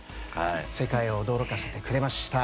世界を驚かせてくれました。